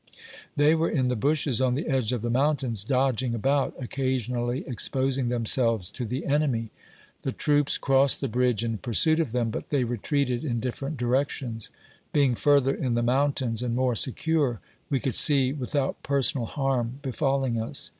They were in the bushes on the edge of the mountains, dodging about, occasionally exposing themselves to the enemy. The troops crossed the bridge in pursuit of them, but they retreated in different directions. Being further in the mountains, and more secure, we could see without personal harm befalling us.